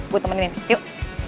gue temenin yuk